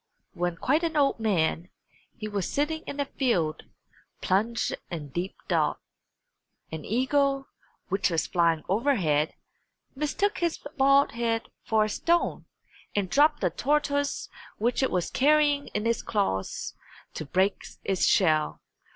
When quite an old man, he was sitting in a field, plunged in deep thought. An eagle, which was flying overhead, mistook his bald head for a stone and dropped the tortoise which it was carrying in its claws to break its shell.